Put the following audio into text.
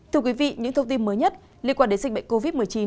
thưa quý vị những thông tin mới nhất liên quan đến dịch bệnh covid một mươi chín